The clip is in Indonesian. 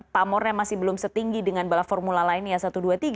pamornya masih belum setinggi dengan balap formula lainnya ya